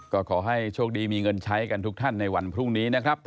ก็ขอให้โชคดีมีเงินใช้กันทุกท่านในวันพรุ่งนี้นะครับ